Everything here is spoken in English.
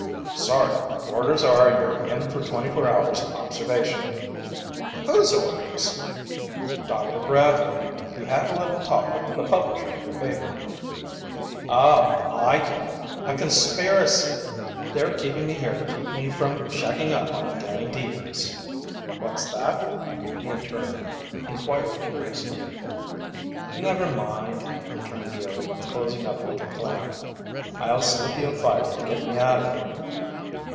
"Sorry. Orders are you're in for twenty four hours observation." "Whose orders?" "Dr. Bradley. He had a little talk with the publisher of your paper " "Oh, I get it! A conspiracy! They're keeping me here to keep me from checking up on Danny Deevers!" "What's that?" the interne inquired curiously. "Never mind," returned Jerry, closing up like a clam. "I'll slip you a fiver to get me out of here."